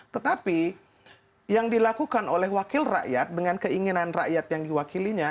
tetapi yang dilakukan oleh wakil rakyat dengan keinginan rakyat yang diwakilinya